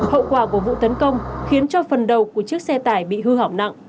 hậu quả của vụ tấn công khiến cho phần đầu của chiếc xe tải bị hư hỏng nặng